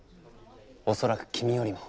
恐らく君よりも。